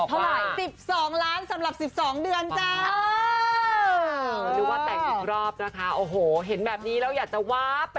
อยากได้๑๒ล้านแต่ต้องซื้อล็อตาลียักษ์กว่า